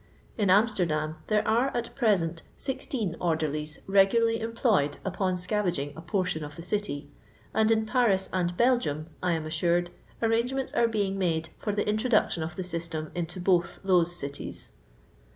In Amsterdam, there are at present 16 orderlies regularly employed upon scavaging a portion of the city, and in Paris and Belgium, I am assured, arrangements are being made for the introduction of the system into both those cities.